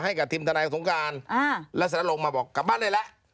ให้กระทิมธนายความสงการแล้วเสร็จแล้วลงมาบอกกลับบ้านได้แล้ว